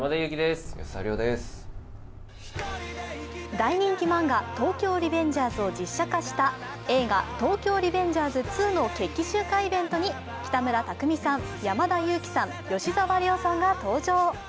大人気漫画「東京リベンジャーズ」を実写化した映画「東京リベンジャーズ２」の決起集会イベントに北村匠海さん、山田裕貴さん、吉沢亮さんが登場。